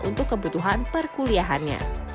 untuk kebutuhan perkuliahannya